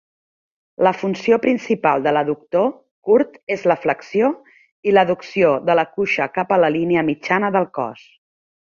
La funció principal de l'adductor curt és la flexió i l'adducció de la cuixa cap a la línia mitjana del cos.